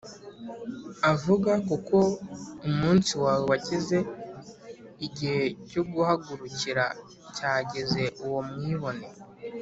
avuga kuko umunsi wawe wageze igihe cyo kuguhagurukira cyageze Uwo Mwibone